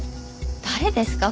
誰ですか？